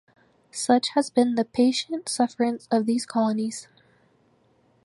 Such has been the patient sufferance of these Colonies;